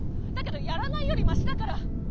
だけどやらないよりマシだから」。